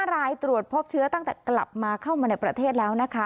รายตรวจพบเชื้อตั้งแต่กลับมาเข้ามาในประเทศแล้วนะคะ